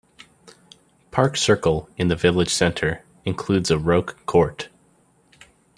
Park Circle, in the village center, includes a roque court.